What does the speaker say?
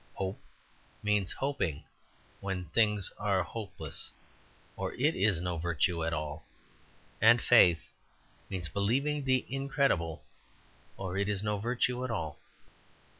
Hope means hoping when things are hopeless, or it is no virtue at all. And faith means believing the incredible, or it is no virtue at all.